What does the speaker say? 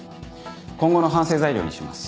今後の反省材料にします。